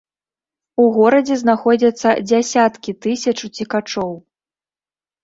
У горадзе знаходзяцца дзесяткі тысяч уцекачоў.